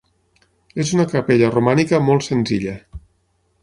És una capella romànica molt senzilla.